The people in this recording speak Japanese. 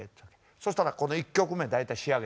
「そしたらこの１曲目大体仕上げとくから」。